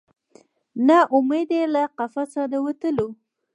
نه امید یې له قفسه د وتلو